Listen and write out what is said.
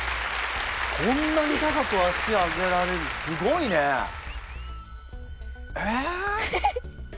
こんなに高く脚上げられんのすごいね！え！？